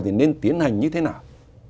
thì nên tiến hành như thế nào